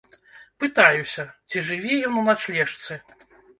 Пытаюся, ці жыве ён у начлежцы.